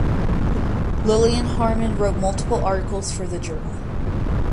Lillian Harman wrote multiple articles for the journal.